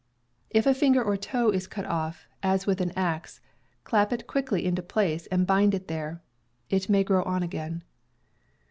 If a finger or toe is cut off, as with an axe, clap it quickly into place and bind it there; it may grow on again.